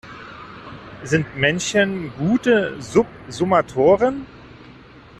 Sind Menschen gute Subsummatoren?